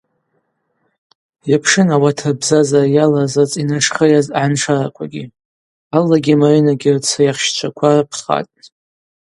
Йапшын ауат рбзазара йалаз рыцӏа йнашхыйаз агӏаншараквагьи: Аллагьи Маринагьи рцри ахщчваква рпхатӏ.